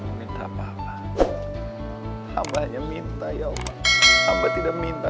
mendingan sekarang kita bawa aja